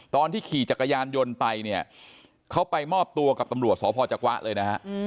ตอนที่ขี่จักรยานยนต์ไปเนี่ยเขาไปมอบตัวกับตำรวจสพจักวะเลยนะฮะ